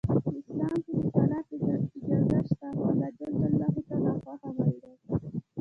اسلام کې د طلاق اجازه شته خو الله ج ته ناخوښ عمل دی.